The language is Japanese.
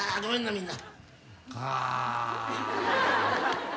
みんな。